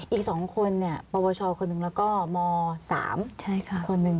อีกสองคนเนี่ยปวชคนหนึ่งแล้วก็ม๓คนหนึ่ง